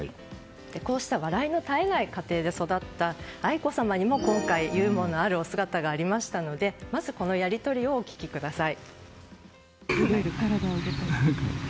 こうした笑いの絶えない家庭に育った愛子さまにも今回ユーモアのあるお姿がありましたのでまずはこのやり取りをお聞きください。